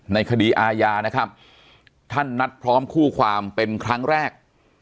ในคดีอาญานะครับท่านนัดพร้อมคู่ความเป็นครั้งแรก